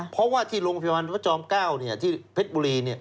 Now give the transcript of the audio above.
เพราะว่าที่โรงพยาบาลพระจอม๙ที่เพชรบุรี